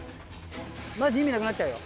マジ意味なくなっちゃうよ